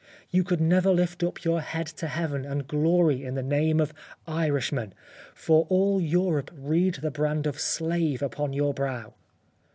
You could never lift up your head to heaven and glory in the name of Irishman, for all Europe read the brand of slave upon your brow.